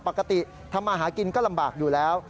ปกติทำมาหากินก็ลำบากอยู่แล้ว